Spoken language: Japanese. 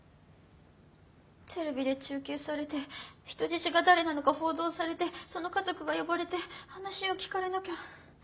テレビで中継されて人質が誰なのか報道されてその家族が呼ばれて話を聞かれなきゃ。